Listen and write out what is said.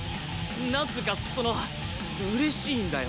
なんつうかその嬉しいんだよ。